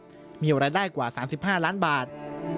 ที่มีรายได้กว่า๓๕ล้านบาท